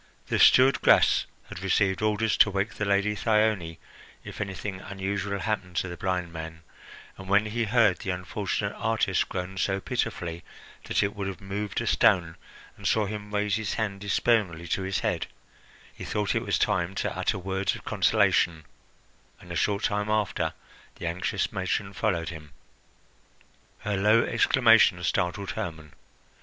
The steward Gras had received orders to wake the Lady Thyone if anything unusual happened to the blind man, and when he heard the unfortunate artist groan so pitifully that it would have moved a stone, and saw him raise his hand despairingly to his head, he thought it was time to utter words of consolation, and a short time after the anxious matron followed him. Her low exclamation startled Hermon.